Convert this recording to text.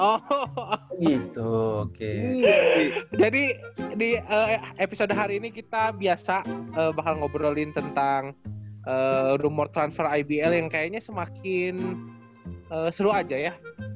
oh gitu jadi di episode hari ini kita biasa bakal ngobrolin tentang rumor transfer ibl yang kayaknya semakin seru aja ya